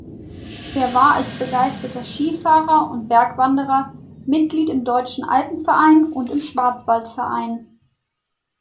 Er war als begeisterter Skifahrer und Bergwanderer Mitglied im Deutschen Alpenverein und im Schwarzwaldverein.